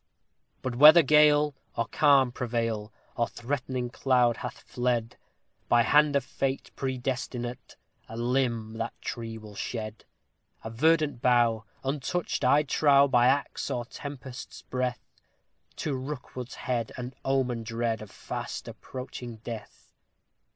But whether gale or calm prevail, or threatening cloud hath fled, By hand of Fate, predestinate, a limb that tree will shed; A verdant bough untouched, I trow, by axe or tempest's breath To Rookwood's head an omen dread of fast approaching death.